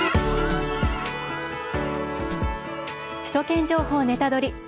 「首都圏情報ネタドリ！」。